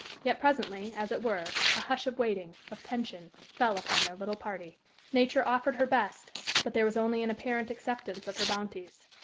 Yet presently, as it were, a hush of waiting, of tension, fell upon their little party. Nature offered her best; but there was only an apparent acceptance of her bounties.